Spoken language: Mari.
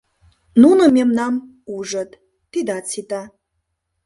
Нуно мемнам ужыт — тидат сита!